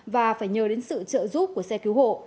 và phải nhờ đến sự trợ giúp của xe cứu hộ